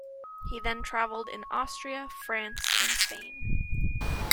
He then travelled in Austria, France and Spain.